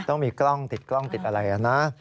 ต้องมีกล้องติดกล้องติดอะไรนะ